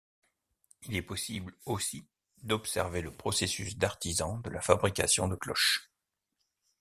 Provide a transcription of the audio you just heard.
Il est possible aussi d'observer le processus d'artisan de la fabrication de cloches.